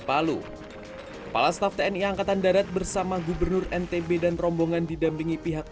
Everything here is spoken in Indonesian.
palu kepala staff tni angkatan darat bersama gubernur ntb dan rombongan didampingi pihak